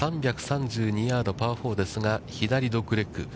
３３２ヤード、パー４ですが、左ドッグレッグ。